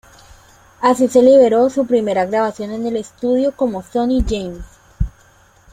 Así se liberó su primera grabación en el estudio como Sonny James.